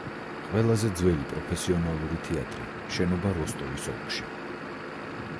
ყველაზე ძველი პროფესიონალური თეატრი, შენობა როსტოვის ოლქში.